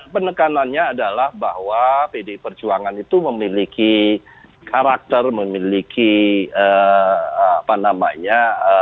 penekanannya adalah bahwa pdi perjuangan itu memiliki karakter memiliki apa namanya